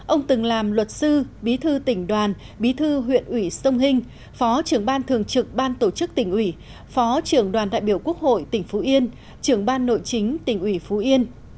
ông từng làm luật sư bí thư tỉnh đoàn bí thư huyện ủy sông hinh phó trưởng ban thường trực ban tổ chức tỉnh ủy phó trưởng đoàn đại biểu quốc hội tỉnh phú yên trưởng ban nội chính tỉnh ủy phú yên